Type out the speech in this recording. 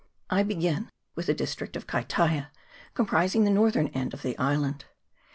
I begin with the district of Kaitaia, comprising the northern end of the island.